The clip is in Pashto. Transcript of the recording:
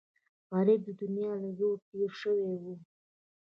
غریب د دنیا له زوره تېر شوی وي